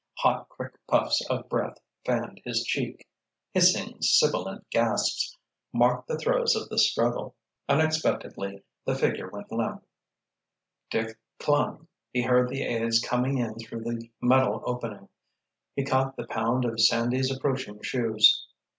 Hot, quick puffs of breath fanned his cheek. Hissing, sibilant gasps marked the throes of the struggle. Unexpectedly the figure went limp. Dick clung. He heard the aides coming in through the metal opening. He caught the pound of Sandy's approaching shoes.